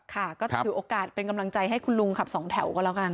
ค่ะก็ถือโอกาสเป็นกำลังใจให้คุณลุงขับสองแถวก็แล้วกัน